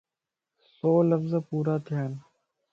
سو لفظ پورا ٿيانَ